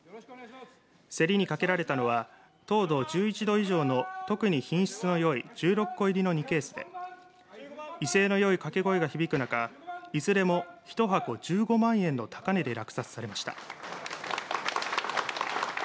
競りにかけられたのは糖度１１度以上の特に品質のよい１６個入りの２ケースで威勢のよい掛け声が響く中いずれも１箱１５万円の高値で落札されました。